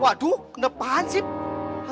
waduh kenapaan sih